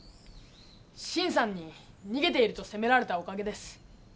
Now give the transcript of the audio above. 新さんに逃げていると責められたおかげです。